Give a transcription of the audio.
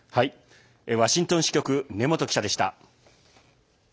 ワシントン支局根本記者でした。